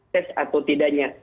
tes atau tidaknya